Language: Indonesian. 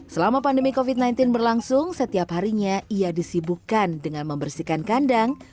selama pandemi covid sembilan belas berlangsung setiap harinya ia disibukkan dengan membersihkan kandang